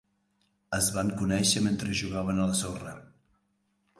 Es van conèixer mentre jugaven a la sorra.